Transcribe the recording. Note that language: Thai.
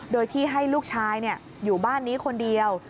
โดยที่ให้ลูกชายอยู่บ้านนี้คนเดียว